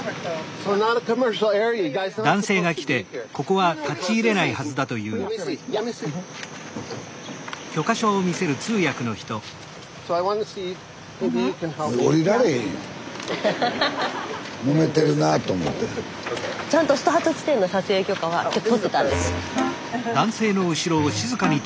スタジオちゃんとスタート地点の撮影許可は取ってたんです。